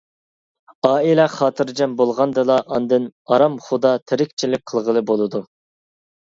ئائىلە خاتىرجەم بولغاندىلا ئاندىن ئارام خۇدا تىرىكچىلىك قىلغىلى بولىدۇ.